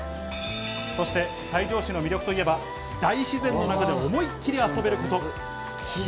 そして西条市の魅力といえば、大自然の中で思い切り遊べること。